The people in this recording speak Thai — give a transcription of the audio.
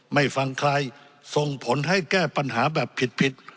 ไม่ฟังใครส่งผลให้แก้ปัญหาแบบผิด